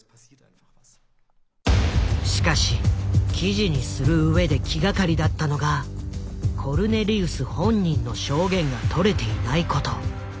しかし記事にするうえで気がかりだったのがコルネリウス本人の証言がとれていないこと。